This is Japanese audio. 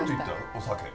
お酒。